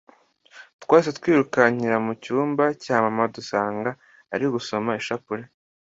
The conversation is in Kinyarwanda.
Twahise twirukankira mu cyumba cya Mama dusanga ari gusoma ishapure